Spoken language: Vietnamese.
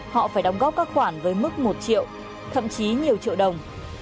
họ phải đóng góp các khoản với mức một triệu thậm chí nhiều triệu đồng